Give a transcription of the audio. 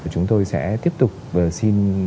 chúng tôi sẽ tiếp tục xin